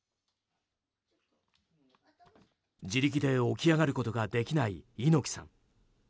自力で起き上がることができない猪木さん。